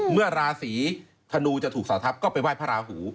เมื่อราศีธนูจะถูกเสาทัพก็ไปไห้พระราหู